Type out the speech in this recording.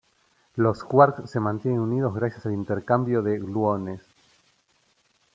Los quarks se mantienen unidos gracias al intercambio de gluones.